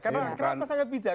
kenapa sangat bijak